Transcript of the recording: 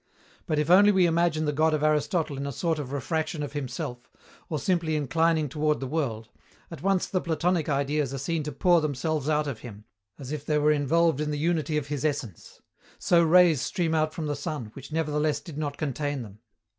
But if only we imagine the God of Aristotle in a sort of refraction of himself, or simply inclining toward the world, at once the Platonic Ideas are seen to pour themselves out of him, as if they were involved in the unity of his essence: so rays stream out from the sun, which nevertheless did not contain them.